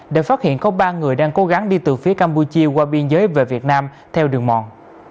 để phát hiện có ba người đang cố gắng đi từ phía campuchia qua biên giới về việt nam theo đường mòn